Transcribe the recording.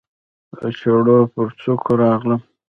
د چړو پر څوکو راغلم